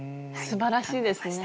すばらしいですね。